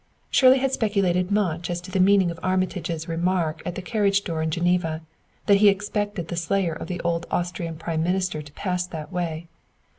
Shirley had speculated much as to the meaning of Armitage's remark at the carriage door in Geneva that he expected the slayer of the old Austrian prime minister to pass that way.